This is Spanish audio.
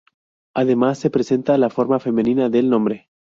Además se presenta la forma femenina del nombre.